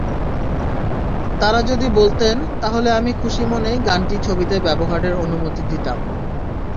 তাঁরা যদি বলতেন, তাহলে আমি খুশিমনেই গানটি ছবিতে ব্যবহারের অনুমতি দিতাম।